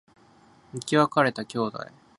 生き別れた兄弟